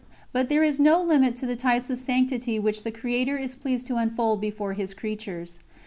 But there is no limit to the types of sanctity which the Creator is pleased to unfold before His Creatures.